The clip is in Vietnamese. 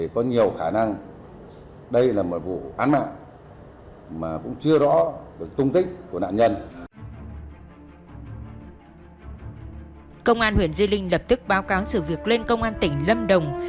công an huyện di linh lập tức báo cáo sự việc lên công an tỉnh lâm đồng